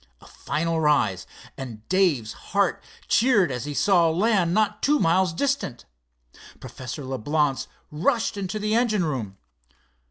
A final rise, and Dave's heart cheered as he saw land not two miles distant. Professor Leblance rushed into the engine room.